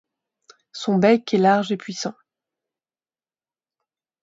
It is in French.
Son bec est large et puissant.